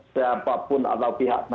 siapapun atau pihak